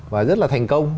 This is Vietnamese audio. và rất là thành công